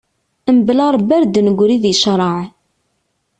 Mebla Rebbi ar d-negri di craɛ.